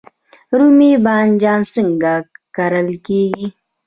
رومی بانجان څنګه کرل کیږي؟